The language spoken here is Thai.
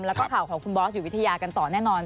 และข่าวของบอสหยุดวิทยากันต่อนแน่นอน